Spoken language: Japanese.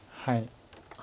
はい。